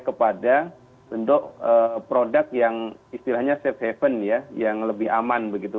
kepada bentuk produk yang istilahnya safe haven ya yang lebih aman begitu